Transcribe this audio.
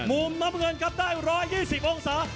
มุมน้ำเงินครับได้๑๒๐องศา